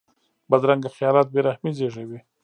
بدرنګه خیالات بې رحمي زېږوي